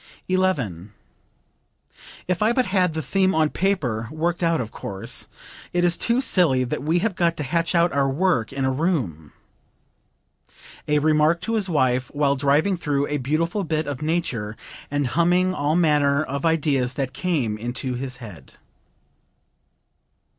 11. "If I but had the theme on paper, worked out, of course. It is too silly that we have got to hatch out our work in a room." (A remark to his wife while driving through a beautiful bit of nature and humming all manner of ideas that came into his head.)